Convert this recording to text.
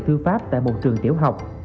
thư pháp tại một trường tiểu học